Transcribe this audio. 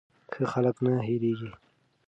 ښه خلک نه هېریږي.